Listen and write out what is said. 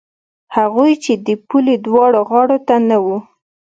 هغوی چې د پولې دواړو غاړو ته نه وو.